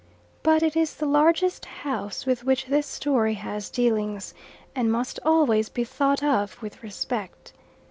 But it is the largest house with which this story has dealings, and must always be thought of with respect.